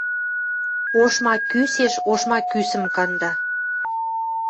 Ошма кӱсеш ошма кӱсӹм канда